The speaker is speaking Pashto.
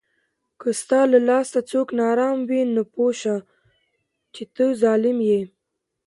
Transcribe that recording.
که ستا له لاسه څوک ناارام وي، نو پوه سه چې ته ظالم یې